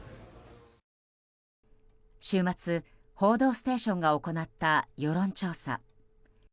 週末「報道ステーション」が行った世論調査。